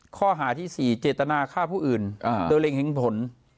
ข้อหาที่๔เจตนาฆ่าผู้อื่นโดยเร็งเห็นผล